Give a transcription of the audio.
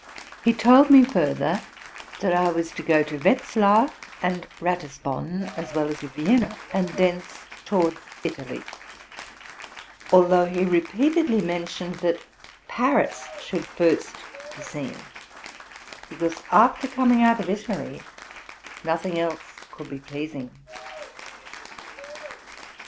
He told me further, that I was to go to Wetzlar and Ratis bon, as well as to Vienna, and thence towards Italy ; although he repeatedly mentioned that Paris should first be seen, be cause after coming out of Italy nothing else could be pleasing.